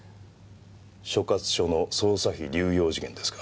所轄署の捜査費流用事件ですか？